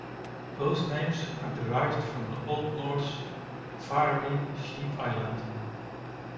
Both names are derived from the Old Norse 'faerey', "sheep island".